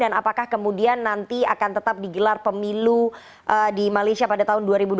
dan apakah kemudian nanti akan tetap digelar pemilu di malaysia pada tahun dua ribu dua puluh tiga